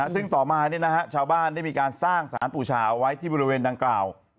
ซึ่งต่อมาชาวบ้านได้มีการสร้างสารปูชาเอาไว้ที่บริเวณดังกล่าว